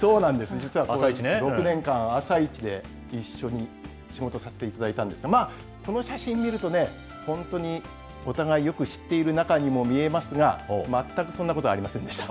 実は６年間、あさイチで一緒に仕事させていただいたんですが、この写真見るとね、お互いよく知っている仲にも見えますが、全くそんなことはありませんでした。